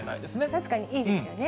確かにいいですね。